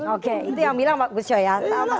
oke itu yang bilang pak gusjo ya